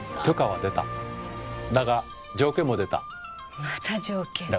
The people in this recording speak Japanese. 許可は出ただが条件も出たまた条件